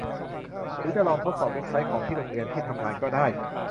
หรือจะลองทดสอบเว็บไซต์ของที่โรงเรียน ที่ทำงานก็ได้